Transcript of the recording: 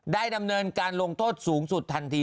ได้ดำเนินการลงโทษสูงสุดทันที